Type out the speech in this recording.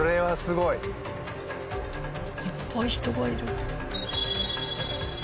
いっぱい人がいる。